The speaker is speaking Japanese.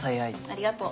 ありがと。